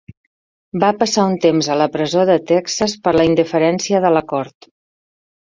Va passar un temps a la presó de Texas per la indiferència de la cort.